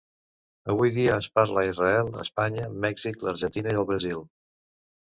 Avui dia es parla a Israel, Espanya, Mèxic, l'Argentina i el Brasil.